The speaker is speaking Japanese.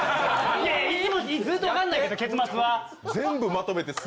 いつもずーっと分かんないけど結末は。